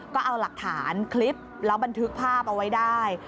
ก็เอาหลักฐานคลิปแล้วบันทึกภาพเอาไว้ได้